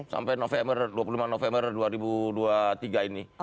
sampai november dua puluh lima november dua ribu dua puluh tiga ini